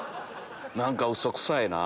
何かウソくさいな。